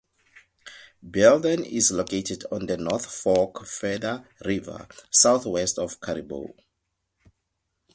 Belden is located on the North Fork Feather River, southwest of Caribou.